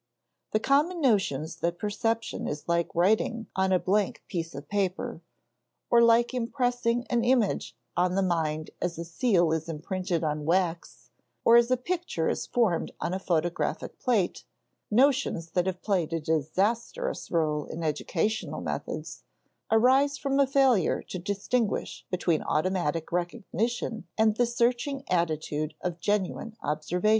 The common notions that perception is like writing on a blank piece of paper, or like impressing an image on the mind as a seal is imprinted on wax or as a picture is formed on a photographic plate (notions that have played a disastrous rôle in educational methods), arise from a failure to distinguish between automatic recognition and the searching attitude of genuine observation.